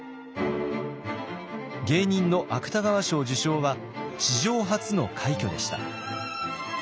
芸人の芥川賞受賞は史上初の快挙でした。